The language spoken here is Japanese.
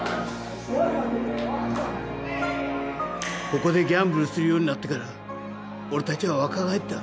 ここでギャンブルするようになってから俺たちは若返った。